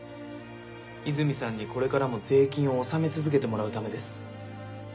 泉さんにこれからも税金を納め続けてもらうためです。